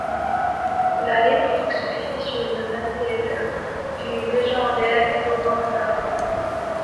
La réplique se fit sur le même terrain du légendaire provençal.